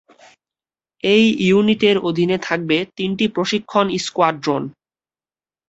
এই ইউনিটের অধীনে থাকবে তিনটি প্রশিক্ষণ স্কোয়াড্রন।